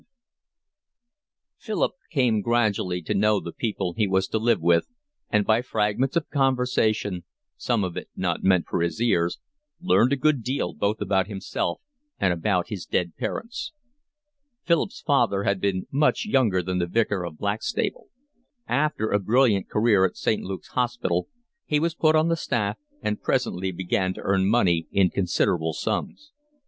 V Philip came gradually to know the people he was to live with, and by fragments of conversation, some of it not meant for his ears, learned a good deal both about himself and about his dead parents. Philip's father had been much younger than the Vicar of Blackstable. After a brilliant career at St. Luke's Hospital he was put on the staff, and presently began to earn money in considerable sums.